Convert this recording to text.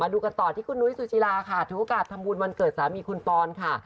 ดูกันต่อที่คุณนุ้ยสุจิลาค่ะถือโอกาสทำบุญวันเกิดสามีคุณปอนค่ะ